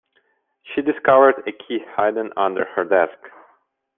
She discovered a key hidden under her desk.